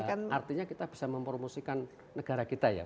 artinya kita bisa mempromosikan negara kita ya